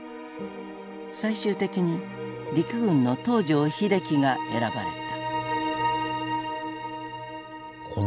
最終的に陸軍の東條英機が選ばれた。